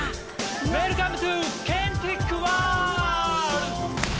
ウエルカムトゥケンティックワールド！